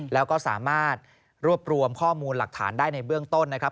แล้วก็สามารถรวบรวมข้อมูลหลักฐานได้ในเบื้องต้นนะครับ